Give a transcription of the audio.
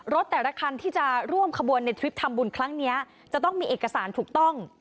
แต่ละคันที่จะร่วมขบวนในทริปทำบุญครั้งนี้จะต้องมีเอกสารถูกต้อง